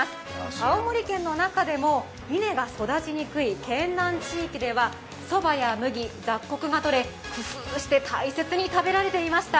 青森県の中でも稲が育ちにくい県南地域ではそばや麦、雑穀がとれ、工夫して大切に食べられていました。